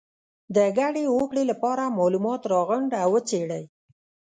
د ګډې هوکړې لپاره معلومات راغونډ او وڅېړئ.